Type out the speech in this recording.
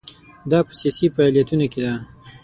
دا په سیاسي فعالیتونو کې ده.